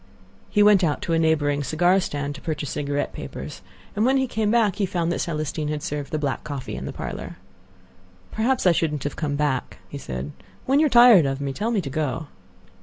He went out to a neighboring cigar stand to purchase cigarette papers, and when he came back he found that Celestine had served the black coffee in the parlor. "Perhaps I shouldn't have come back," he said. "When you are tired of me, tell me to go."